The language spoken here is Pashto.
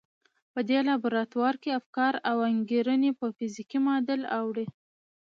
په دې لابراتوار کې افکار او انګېرنې پر فزيکي معادل اوړي.